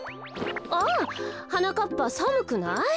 あはなかっぱさむくない？